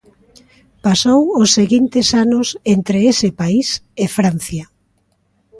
Pasou os seguintes anos entre ese país e Francia.